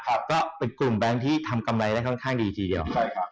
ก็เป็นกลุ่มแบงค์ที่ทำกำไรได้ค่อนข้างดีทีเดียวใช่ครับ